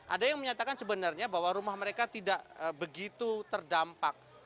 ada yang menyatakan sebenarnya bahwa rumah mereka tidak begitu terdampak